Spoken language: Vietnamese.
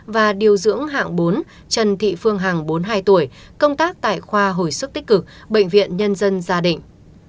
và điều dưỡng hạng bốn trần thị phương hằng bốn mươi hai tuổi công tác tại khoa hồi sức tích cực bệnh viện nhân dân gia đình